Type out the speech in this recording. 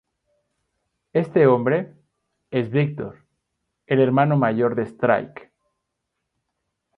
Este hombre, es Victor, el hermano mayor de "Strike".